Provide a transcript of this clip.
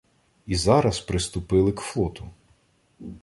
І зараз приступили к флоту